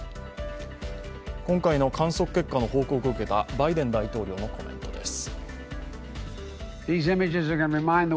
今回の観測結果の報告を受けたバイデン大統領のコメントです。